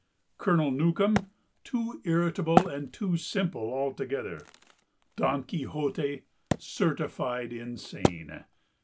Colonel Newcome too irritable and too simple altogether. Don Quixote certified insane.